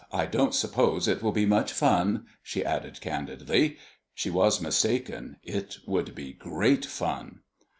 I don't suppose it will be much fun," she added candidly. She was mistaken. It would be great fun.